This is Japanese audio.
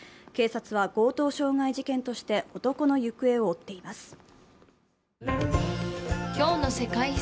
警察は強盗傷害事件として男の行方を追っています。